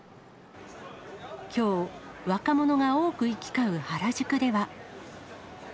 きょう、若者が多く行き交う原宿では。